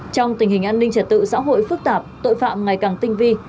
trong tình hình an ninh trật tự xã hội phức tạp tội phạm ngày càng tinh vi